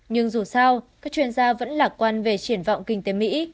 nhưng dù sao các chuyên gia vẫn lạc quan về triển vọng kinh tế mỹ